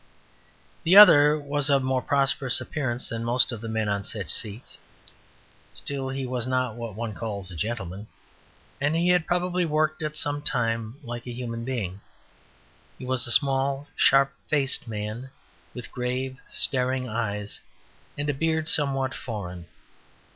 The other was of more prosperous appearance than most of the men on such seats; still, he was not what one calls a gentleman, and had probably worked at some time like a human being. He was a small, sharp faced man, with grave, staring eyes, and a beard somewhat foreign.